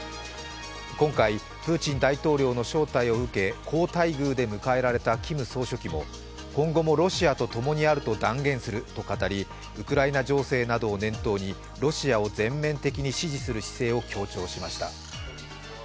今回、プーチン大統領の招待を受け好待遇で迎えられたキム総書記も今後もロシアとともにあると断言すると語り、ウクライナ情勢などを念頭に、ロシアを全面的に支持する姿勢を強調しました。